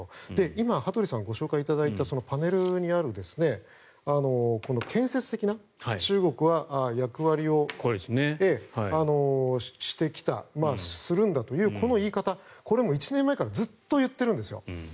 今、羽鳥さんにご紹介いただいたパネルにある、この建設的な中国は役割をしてきたするんだという、この言い方これも１年前からずっと言ってるんですよ。